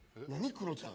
クロちゃん。